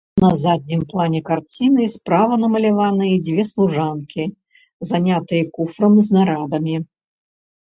На заднім плане карціны справа намаляваныя дзве служанкі, занятыя куфрам з нарадамі.